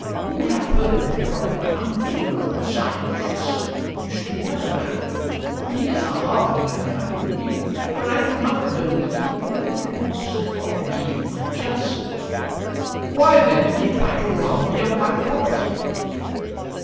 "You have heard of him from an unfavourable side, Lucius; you should remember that. He is a hard man, I believe; but I do not know that he would do anything which he thought to be unjust." "Why then did he try to rob me of my property?"